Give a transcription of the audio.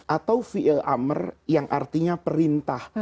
atau fi'il amr yang artinya perintah